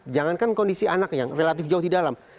jangankan kondisi anak yang relatif jauh di dalam